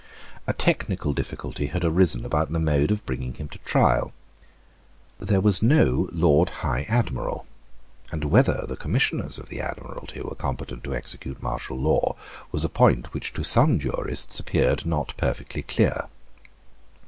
A technical difficulty had arisen about the mode of bringing him to trial. There was no Lord High Admiral; and whether the Commissioners of the Admiralty were competent to execute martial law was a point which to some jurists appeared not perfectly clear.